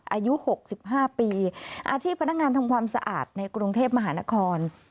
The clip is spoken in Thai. อายุ๖๕ปีอาชีพพนักงานทำความสะอาดในกรุงเทพมหานคร